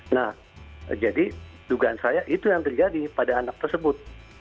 nah jadi dugaan saya itu yang terjadi pada anak tersebut